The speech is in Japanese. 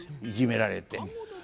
いじめられて。